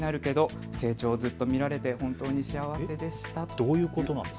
どういうことなんですか。